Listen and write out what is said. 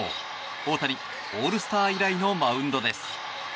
大谷、オールスター以来のマウンドです。